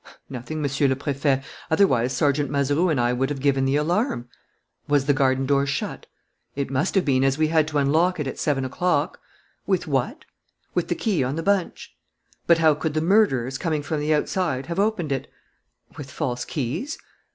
"Nothing, Monsieur le Préfet. Otherwise, Sergeant Mazeroux and I would have given the alarm." "Was the garden door shut?" "It must have been, as we had to unlock it at seven o'clock." "With what?" "With the key on the bunch." "But how could the murderers, coming from the outside, have opened it?" "With false keys."